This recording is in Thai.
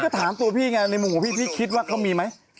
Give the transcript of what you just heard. ก็ถามตัวพี่ไงในมุมของพี่พี่คิดว่าเขามีไหม